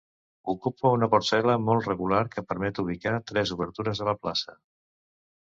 Ocupa una parcel·la molt regular que permet ubicar tres obertures a la plaça.